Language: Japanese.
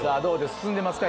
進んでますか？